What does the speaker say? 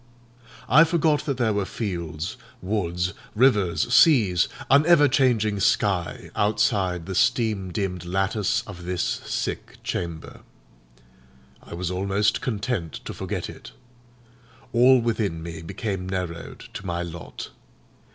I forgot that there were fields, woods, rivers, seas, an ever changing sky outside the steam dimmed lattice of this sick chamber; I was almost content to forget it. All within me became narrowed to my lot.